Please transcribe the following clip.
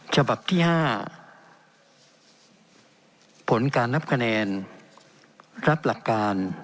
ฉบับที่๕ผลการนับคะแนนรับหลักการ